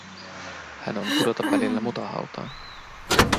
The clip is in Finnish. Hän on pudota välillä mutahautaan.